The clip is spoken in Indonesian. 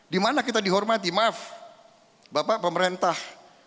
di mana kita dihormati maaf bapak pemerintah